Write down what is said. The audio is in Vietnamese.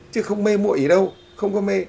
chứ không mê mội đâu không có mê